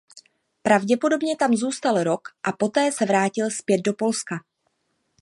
Pravděpodobně tam zůstal rok a poté se vrátil zpět do Polska.